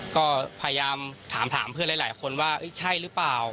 ก็พยายามถามเพื่อนหลายคนว่าใช่หรือเปล่า